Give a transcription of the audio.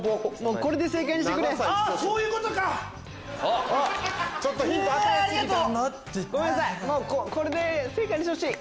これで正解にしてほしい。